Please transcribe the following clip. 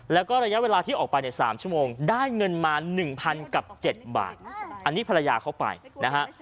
แล้วก็ระยะเวลาที่ออกไปใน๓ชั่วโมงได้เงินมา๑๐๐กับ๗บาทอันนี้ภรรยาเขาไปนะฮะ